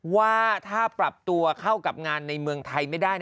ว่าถ้าปรับตัวเข้ากับงานในเมืองไทยไม่ได้